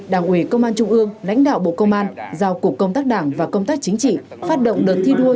đảng ủy công an trung ương lãnh đạo bộ công an giao cục công tác đảng và công tác chính trị phát động đợt thi đua